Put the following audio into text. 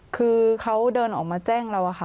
คือเขาเดินออกมาแจ้งเราอะค่ะ